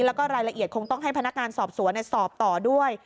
แล้วก็รายละเอียดคงต้องให้พนักงานสอบสวนสอบต่อด้วย